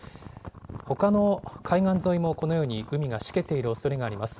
ほかの海岸沿いも、このように海がしけているおそれがあります。